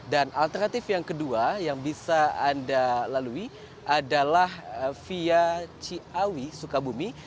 dan alternatif yang kedua yang bisa anda lalui adalah via ciawi sukabumi